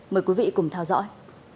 mời quý vị cùng theo dõi